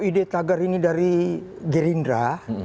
ide tagar ini dari gerindra